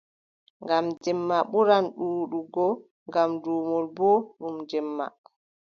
Ngam jemma ɓuran ɗuuɗugo ngam duumol boo ɗum jemma.